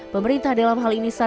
pemerintah dalam hal ini